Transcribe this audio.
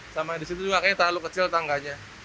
sama di situ juga kayaknya terlalu kecil tangganya